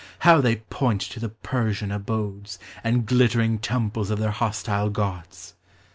How they point to the Persian abode8, And glittering temples of their hostile gods!